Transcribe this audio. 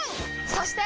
そして！